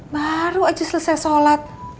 baru aja selesai sholat